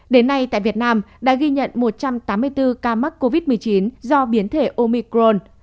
đến nay tại việt nam đã ghi nhận một trăm tám mươi bốn ca mắc covid một mươi chín do biến thể omicron